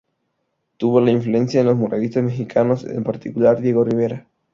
Tuvo la influencia de los muralistas mexicanos, en particular Diego Rivera.